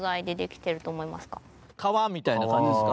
革みたいな感じですか？